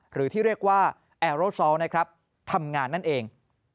หรือที่เรียกว่าแอร์โรซอลนะครับทำงานนั่นเอง